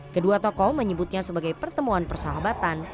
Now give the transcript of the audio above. kedua tokoh menyebutnya sebagai pertemuan persahabatan